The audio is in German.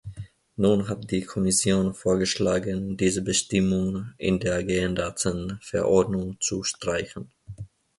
Nun hat die Kommission vorgeschlagen, diese Bestimmung in der geänderten Verordnung zu streichen.